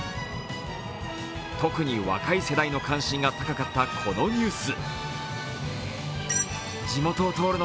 特に若い世代の関心が高かったこのニュース。